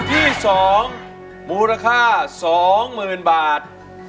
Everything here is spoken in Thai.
ได้หรือว่าร้องผิดครับ